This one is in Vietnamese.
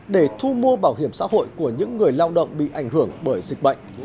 để thu mua bảo hiểm xã hội của những người lao động bị ảnh hưởng bởi dịch bệnh